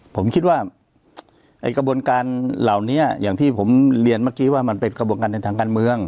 ผมคิดว่าไอ้กระบวนการเหล่านี้อย่างที่ผมเรียนเมื่อกี้ว่ามันเป็นกระบวนการในทางการเมือง